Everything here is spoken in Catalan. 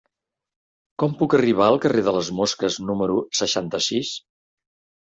Com puc arribar al carrer de les Mosques número seixanta-sis?